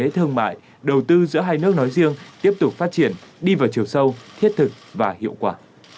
thương mại đầu tư giữa hai nước nói riêng tiếp tục phát triển đi vào chiều sâu thiết thực và hiệu quả